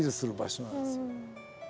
そうなんですよ。